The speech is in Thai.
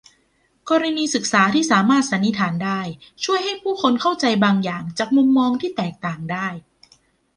กรณีศึกษาที่สามารถสันนิษฐานได้ช่วยให้ผู้คนเข้าใจบางอย่างจากมุมมองที่แตกต่างได้